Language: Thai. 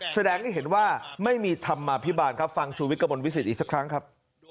แสดงให้เห็นว่าไม่มีธรรมาภิบาลครับฟังชูวิทย์กระมวลวิสิตอีกสักครั้งครับ